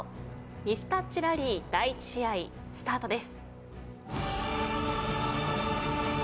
ミスタッチラリー第１試合スタートです。